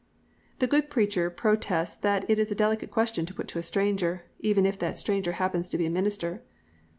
"The good preacher protests that it is a delicate question to put to a stranger, even if that stranger happens to be a minister.